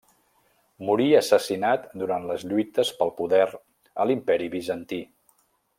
Morí assassinat durant les lluites pel poder a l'Imperi Bizantí.